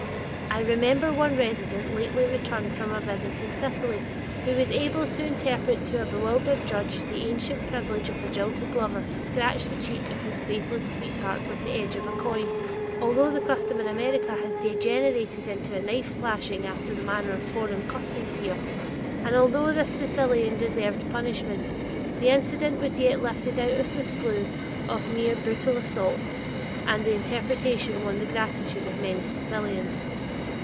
I remember one resident lately returned from a visit in Sicily, who was able to interpret to a bewildered judge the ancient privilege of a jilted lover to scratch the cheek of his faithless sweetheart with the edge of a coin. Although the custom in America had degenerated into a knife slashing after the manner of foreign customs here, and although the Sicilian deserved punishment, the incident was yet lifted out of the slough of mere brutal assault, and the interpretation won the gratitude of many Sicilians.